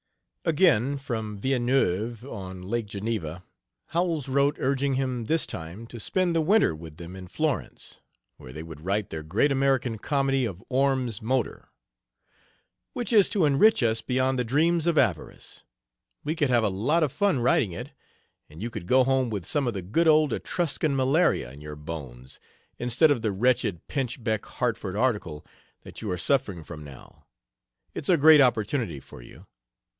Again, from Villeneuve, on lake Geneva, Howells wrote urging him this time to spend the winter with them in Florence, where they would write their great American Comedy of 'Orme's Motor,' "which is to enrich us beyond the dreams of avarice.... We could have a lot of fun writing it, and you could go home with some of the good old Etruscan malaria in your bones, instead of the wretched pinch beck Hartford article that you are suffering from now.... it's a great opportunity for you.